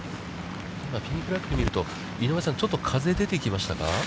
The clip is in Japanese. ピンフラッグを見ると、井上さん、ちょっと風が出てきましたか。